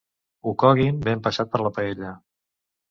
Ho coguin, ben passat per la paella.